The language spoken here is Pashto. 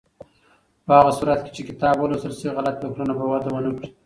په هغه صورت کې چې کتاب ولوستل شي، غلط فکرونه به وده ونه کړي.